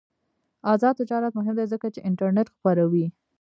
آزاد تجارت مهم دی ځکه چې انټرنیټ خپروي.